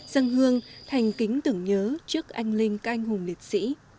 dân hương thành kính tưởng nhớ trước anh linh canh hùng liệt sĩ